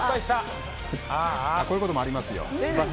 こういうこともありますよ。